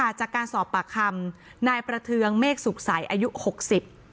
จากการสอบปากคำนายประเทืองเมฆสุขใสอายุหกสิบ